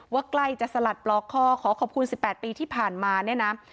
ใกล้จะสลัดปลอกคอขอขอบคุณ๑๘ปีที่ผ่านมาเนี่ยนะ